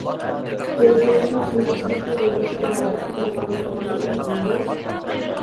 ئۆزىڭىزمۇ قىيىنچىلىققا يولۇقسام ياردەم قىلىدىغانلىقىڭىزنى ئېيتقانغۇ.